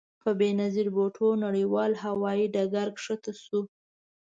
په بې نظیر بوټو نړیوال هوايي ډګر کښته شوو.